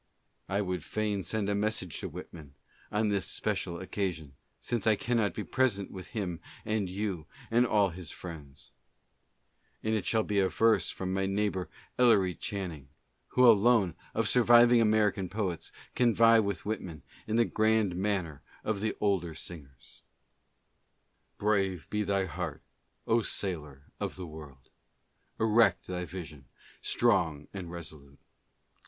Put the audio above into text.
I would fain send a message to Whitman, on this special occa sion, since I cannot be present with him and you and all his friends. And it shall be averse from my neighbor Ellery Chan ning, who alone of surviving American poets can vie with Whit man in the grand manner of the older singers :" Brave be thy heart, O sailor of the world ! Erect thy vision, strong and resolute.